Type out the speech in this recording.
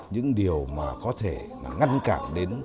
những điều mà có thể ngăn cản đến